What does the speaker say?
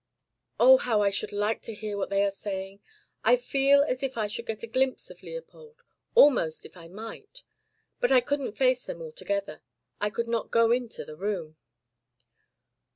Oh, how I should like to hear what they are saying! I feel as if I should get a glimpse of Leopold almost, if I might. But I couldn't face them all together. I could not go into the room."